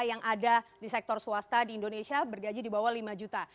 yang ada di sektor swasta di indonesia bergaji di bawah lima juta